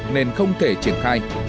nên không thể triển khai